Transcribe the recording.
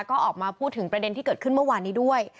ก็ออกมาพูดถึงประเด็นที่เกิดขึ้นเมื่อวานนี้ด้วย